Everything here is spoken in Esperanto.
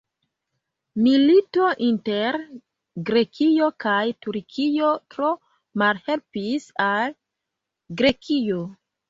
Milito inter Grekio kaj Turkio tro malhelpis al Grekio.